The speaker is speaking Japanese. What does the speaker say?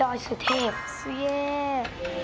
すげえ。